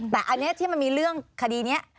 แต่อันนี้ที่มันมีเรื่องคดีนี้